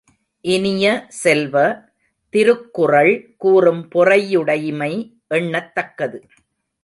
இனிய செல்வ, திருக்குறள் கூறும் பொறையுடைமை எண்ணத்தக்கது.